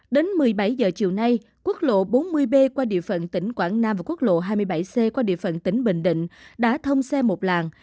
đến một mươi bảy h chiều nay quốc lộ bốn mươi b qua địa phận tỉnh quảng nam và quốc lộ hai mươi bảy c qua địa phận tỉnh bình định đã thông xe một làng